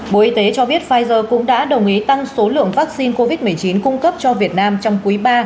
bộ y tế cho biết pfizer cũng đã đồng ý tăng số lượng vaccine covid một mươi chín cung cấp cho việt nam trong quý ba